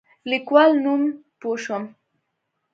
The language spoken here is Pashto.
د لیکوال نوم پوه شوم.